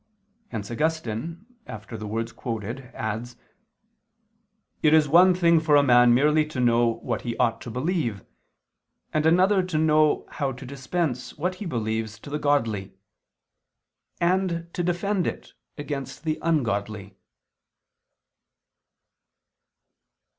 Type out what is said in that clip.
Hence Augustine, after the words quoted, adds: "It is one thing for a man merely to know what he ought to believe, and another to know how to dispense what he believes to the godly, and to defend it against the ungodly."